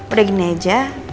udah gini aja